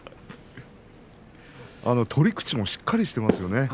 取り口もしっかりしていますよね。